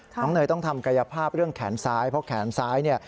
เนยต้องทำกายภาพเรื่องแขนซ้ายเพราะแขนซ้ายเนี่ย